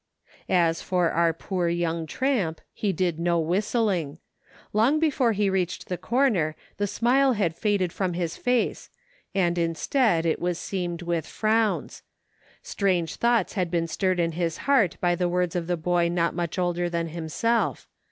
As for our poor young tramp, he did no whist ling. Long before he reached the corner the smile had faded from his face, and, instead, it was seamed with frowns. Strange thoughts had been stirred in his heart by the words of the boy not much older than himself.